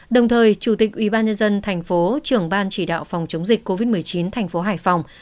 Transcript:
đồng thời chủ tịch ubnd tp trưởng ban chỉ đạo phòng chống dịch covid một mươi chín thành phố hải phòng